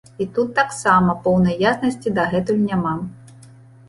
І тут таксама поўнай яснасці дагэтуль няма.